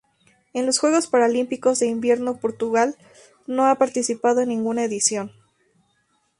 En los Juegos Paralímpicos de Invierno Portugal no ha participado en ninguna edición.